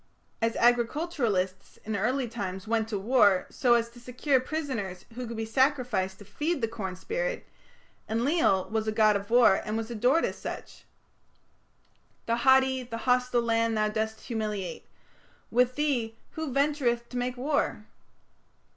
As agriculturists in early times went to war so as to secure prisoners who could be sacrificed to feed the corn spirit, Enlil was a god of war and was adored as such: The haughty, the hostile land thou dost humiliate ... With thee who ventureth to make war?